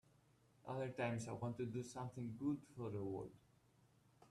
Other times I want to do something good for the world.